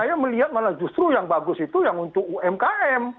saya melihat malah justru yang bagus itu yang untuk umkm